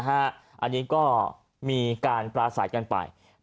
อันนี้ก็มีการปราศัยกันไป